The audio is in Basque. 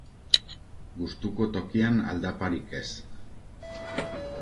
Gustuko tokian, aldaparik ez.